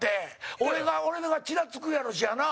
俺が、俺らがチラつくやろしやな。